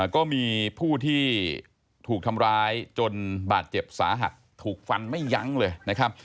ก็มีผู้ที่ถูกทำร้ายจนบาดเจ็บสาหัสถูกฟันไม่ยั้งเลยนะครับ